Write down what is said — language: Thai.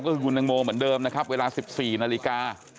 ก็คือคุณตังโมเหมือนเดิมนะครับเวลา๑๔นาฬิกา